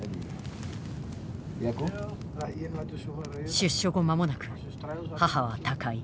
出所後間もなく母は他界。